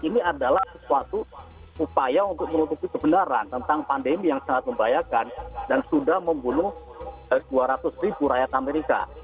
ini adalah sesuatu upaya untuk menutupi kebenaran tentang pandemi yang sangat membahayakan dan sudah membunuh dua ratus ribu rakyat amerika